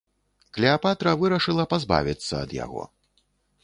Клеапатра вырашыла пазбавіцца ад яго.